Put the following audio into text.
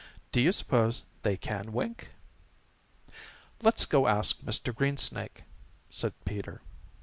Do you suppose they can wink?" "Let's go ask Mr. Greensnake," said Peter.